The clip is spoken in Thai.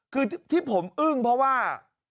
คือที่ผมอึ้งเพราะว่า